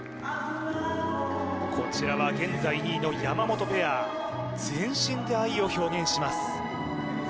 こちらは現在２位の山本ペア全身で愛を表現します